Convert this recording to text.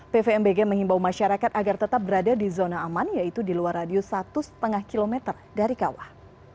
pvmbg mengimbau masyarakat agar tetap berada di zona aman yaitu di luar radius satu lima km dari kawah